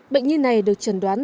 bệnh nhân này được trần đoán